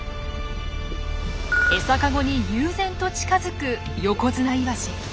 餌カゴに悠然と近づくヨコヅナイワシ。